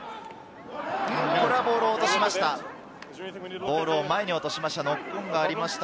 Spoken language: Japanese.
これはボールを落としました。